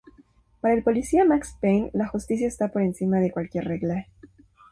Para el policía Max Payne la justicia está por encima de cualquier regla.